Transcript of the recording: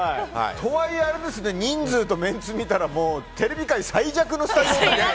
とはいえ、人数とメンツ見たらテレビ界最弱のスタジオ。